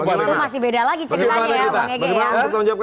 jadi siapa yang memutuskan